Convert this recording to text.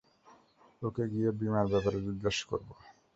ওকে গিয়ে বীমার ব্যাপারে জিজ্ঞেস করবো।